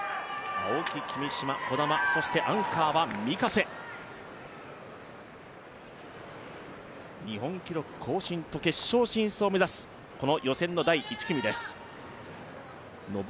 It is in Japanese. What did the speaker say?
青木、君嶋、兒玉、アンカーは御家瀬日本記録更新と決勝進出を目指す予選第１組です。